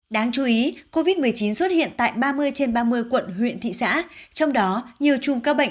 đáng chú ý covid một mươi chín xuất hiện tại ba mươi trên ba mươi quận huyện thị xã trong đó nhiều chùm ca bệnh